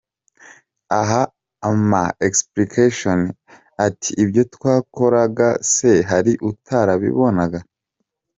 Aha ampa explications, ati ibyo twakoraga se hari utarabibonaga?